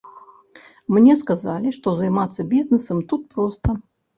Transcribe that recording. Мне сказалі, што займацца бізнэсам тут проста.